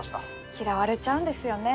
嫌われちゃうんですよね。